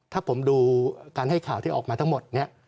ถ้าผมดูการให้ข่าวที่ออกมาทั้งหมดเนี่ย